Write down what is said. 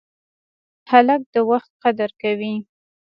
هلک د وخت قدر کوي.